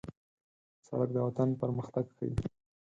سړک د وطن پرمختګ ښيي.